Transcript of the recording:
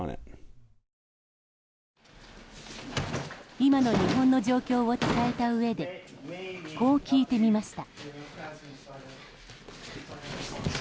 今の日本の状況を伝えたうえでこう聞いてみました。